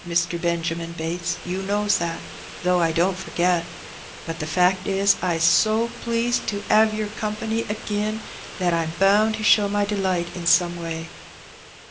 Mister Benjamin Bates^ you knows that, though I don't forget. But the fact is, I's so pleased to 'ave yer company agin that I'm bound to show my delight in some way."